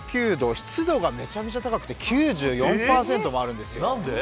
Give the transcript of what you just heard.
湿度がめちゃくちゃ高くて９４％もあるんです。